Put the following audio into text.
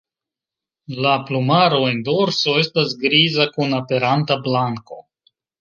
La plumaro en dorso estas griza kun aperanta blanko.